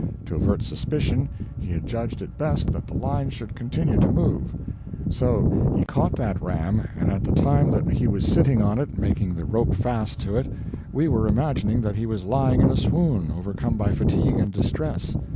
To avert suspicion, he had judged it best that the line should continue to move; so he caught that ram, and at the time that he was sitting on it making the rope fast to it, we were imagining that he was lying in a swoon, overcome by fatigue and distress.